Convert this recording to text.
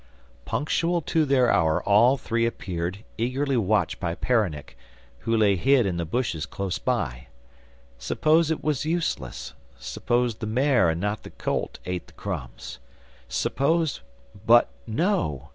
Punctual to their hour all three appeared, eagerly watched by Peronnik, who lay hid in the bushes close by. Suppose it was useless; suppose the mare, and not the colt, ate the crumbs? Suppose but no!